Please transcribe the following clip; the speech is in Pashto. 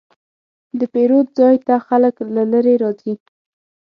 د پیرود ځای ته خلک له لرې راځي.